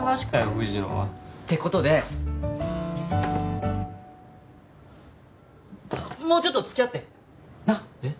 藤野はってことでもうちょっと付き合ってなっえっ？